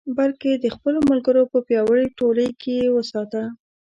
بلکې د خپلو ملګرو په پیاوړې ټولۍ کې یې وساته.